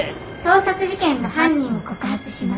「盗撮事件の犯人を告発します！」